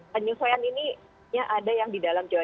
penyesuaian ini ada yang di dalam jawa